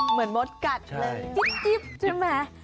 เหมือนมดกัดเลยจิ๊บใช่ไหม